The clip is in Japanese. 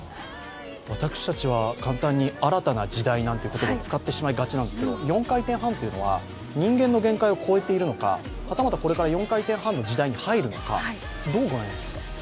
私たちは簡単に、新たな時代なんていう言葉を使ってしまいがちなんですけれども４回転半というのは人間の限界を超えているのか、はたまたこれから４回転半の時代に入るのかどう思われますか。